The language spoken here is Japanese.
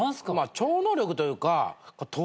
超能力というか透視？